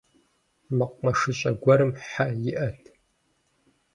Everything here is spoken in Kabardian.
Мэкъумэшыщӏэ гуэрым хьэ иӏэт.